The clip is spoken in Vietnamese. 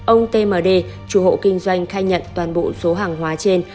ông tmd chủ hộ kinh doanh khai nhận toàn bộ số hàng hóa trên